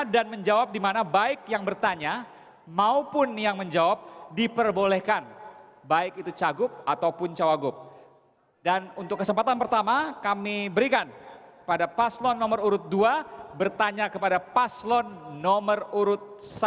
dan untuk kesempatan pertama kami berikan pada paslon nomor urut dua bertanya kepada paslon nomor urut satu